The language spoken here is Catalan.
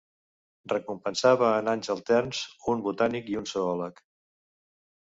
Recompensava en anys alterns un botànic i un zoòleg.